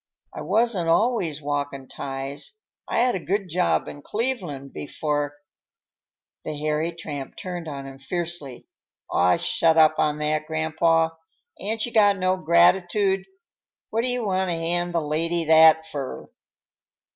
I wasn't always walkin' ties; I had a good job in Cleveland before—" The hairy tramp turned on him fiercely. "Aw, shut up on that, grandpaw! Ain't you got no gratitude? What do you want to hand the lady that fur?"